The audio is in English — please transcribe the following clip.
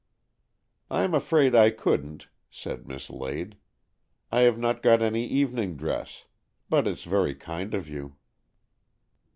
" Tm afraid I couldn't," said Miss Lade. " I have not got any evening dress. But it's very kind of you."